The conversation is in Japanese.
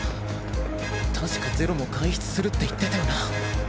確かゼロも外出するって言ってたよな。